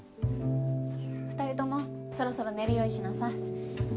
２人ともそろそろ寝る用意しなさい。